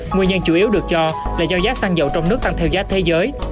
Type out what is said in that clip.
nguyên nhân chủ yếu được cho là do giá xăng dầu trong nước tăng theo giá thế giới